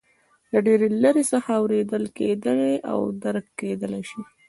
له ډېرې لرې څخه اورېدل کېدای او درک کېدلای شي.